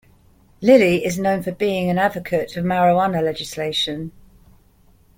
Lilley is known for being an advocate of marijuana legalisation.